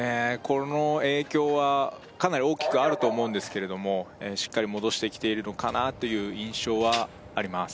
この影響はかなり大きくあると思うんですけれどもしっかり戻してきているのかなという印象はあります